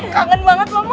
kangen banget mama